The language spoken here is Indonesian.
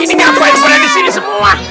ini ngapain mulai disini semua